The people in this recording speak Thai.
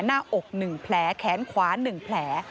หน้าอก๑แผลแขนขวา๑แผล